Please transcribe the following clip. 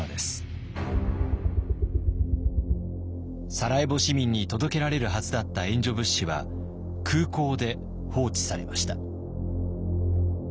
サラエボ市民に届けられるはずだった援助物資は空港で放置されました。